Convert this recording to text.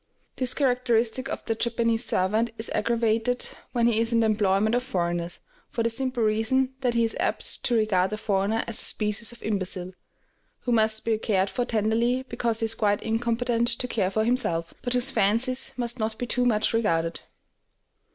This characteristic of the Japanese servant is aggravated when he is in the employment of foreigners, for the simple reason that he is apt to regard the foreigner as a species of imbecile, who must be cared for tenderly because he is quite incompetent to care for himself, but whose fancies must not be too much regarded.